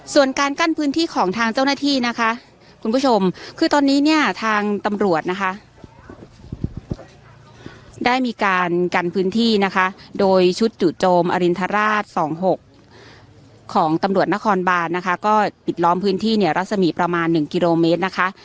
ส่วนการกั้นพื้นที่ของทางเจ้าหน้าที่นะคะคุณผู้ชมคือตอนนี้เนี่ยทางตำรวจนะคะได้มีการกันพื้นที่นะคะโดยชุดจู่โจมอรินทราช๒๖ของตำรวจนครบานนะคะก็ปิดล้อมพื้นที่เนี่ยรัศมีประมาณ๑กิโลเมตรนะคะ